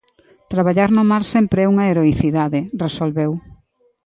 Traballar no mar sempre é unha heroicidade, resolveu.